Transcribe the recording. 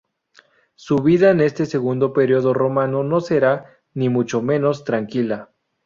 Su vida en este segundo periodo romano no será, ni mucho menos, tranquila.